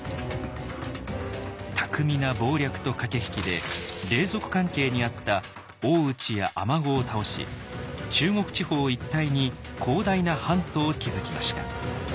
巧みな謀略と駆け引きで隷属関係にあった大内や尼子を倒し中国地方一帯に広大な版図を築きました。